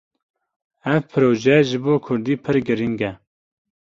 Ev proje ji bo Kurdî pir giring e.